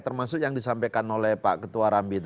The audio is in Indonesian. termasuk yang disampaikan oleh pak ketua rambi tadi